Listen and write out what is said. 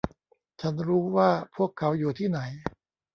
ฉันรู้ว่าพวกเขาอยู่ที่ไหน